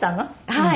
はい。